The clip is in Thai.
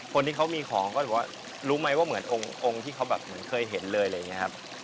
คนที่เขามีของก็บอกว่ารู้ไหมว่าเหมือนองค์ที่เขาแบบเหมือนเคยเห็นเลยอะไรอย่างนี้ครับ